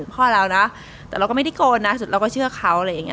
พ่อเรานะแต่เราก็ไม่ได้โกนนะสุดเราก็เชื่อเขาอะไรอย่างนี้